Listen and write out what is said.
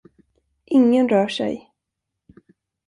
Ingen rör sig!